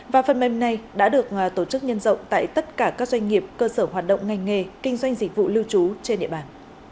và phần mềm này đã được tổ chức nhân rộng tại tất cả các doanh nghiệp cơ sở hoạt động ngành nghề kinh doanh dịch vụ lưu trú trên địa bàn